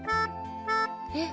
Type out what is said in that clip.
えっ⁉